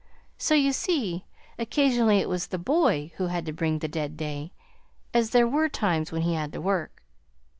So, you see, occasionally it was the boy who had to bring the 'Dead Day,' as there were times when he had to work.